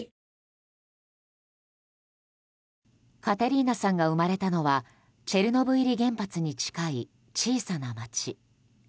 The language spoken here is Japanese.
カテリーナさんが生まれたのはチェルノブイリ原発に近い小さな町。